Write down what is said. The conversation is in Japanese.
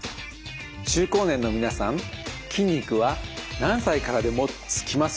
中高年の皆さん筋肉は何歳からでもつきますよ。